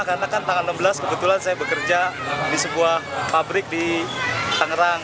karena kan tanggal enam belas kebetulan saya bekerja di sebuah pabrik di tangerang